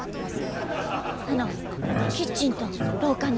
あのキッチンと廊下の。